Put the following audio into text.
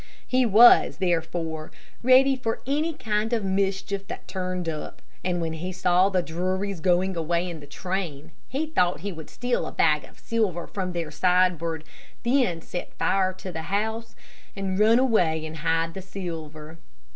He was, therefore, ready for any kind of mischief that turned up, and when he saw the Drurys going away in the train, he thought he would steal a bag of silver from their sideboard, then set fire to the house, and run away and hide the silver.